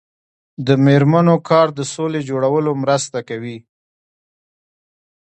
د میرمنو کار د سولې جوړولو مرسته کوي.